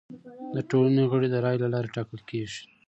د ټولنې غړي د رایو له لارې ټاکل کیږي.